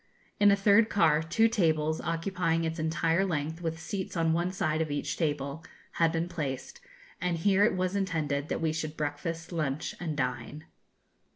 In a third car two tables, occupying its entire length, with seats on one side of each table, had been placed; and here it was intended that we should breakfast, lunch, and dine.